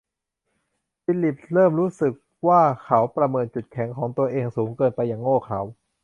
ฟิลลิปเริ่มรู้สึกว่าเขาประเมินจุดแข็งของตัวเองสูงเกินไปอย่างโง่เขลา